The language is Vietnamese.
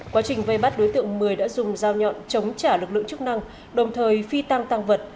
quá trình vây bắt đối tượng mười đã dùng dao nhọn chống trả lực lượng chức năng đồng thời phi tăng tăng vật